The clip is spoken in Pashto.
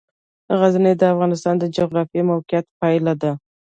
غزني د افغانستان د جغرافیایي موقیعت پایله ده.